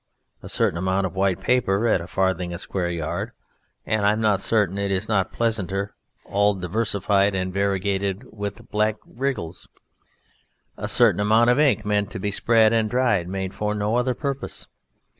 A certain amount of white paper at a farthing a square yard (and I am not certain it is not pleasanter all diversified and variegated with black wriggles) a certain amount of ink meant to be spread and dried: made for no other purpose.